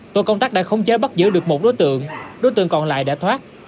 tổ công tác đã khống chế bắt giữ được một đối tượng đối tượng còn lại đã thoát